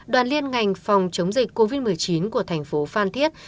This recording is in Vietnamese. đoàn liên ngành phòng chống dịch covid một mươi chín của tp phan thiết